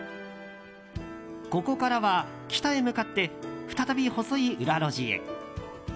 ここからは北へ向かって再び細い裏路地へ。